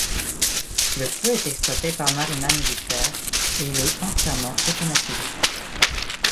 Le feu est exploité par Marina Militare et il est entièrement automatisé.